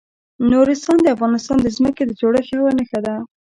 نورستان د افغانستان د ځمکې د جوړښت یوه ښه نښه ده.